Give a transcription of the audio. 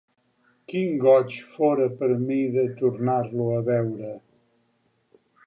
Quin goig fora per a mi de tornar-lo a veure!